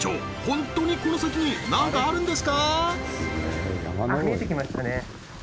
本当にこの先に何かあるんですか！？